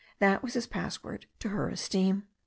That was his password to her esteem.